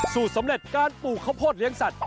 สำเร็จการปลูกข้าวโพดเลี้ยสัตว